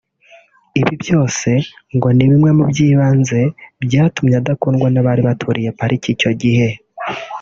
Ibyo byose ngo ni bimwe mu by’ibanze byatumye adakundwa n’abari baturiye parike icyo gihe